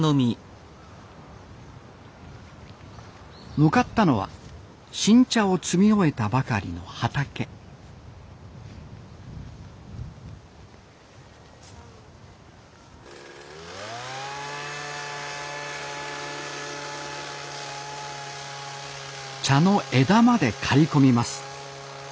向かったのは新茶を摘み終えたばかりの畑茶の枝まで刈り込みます。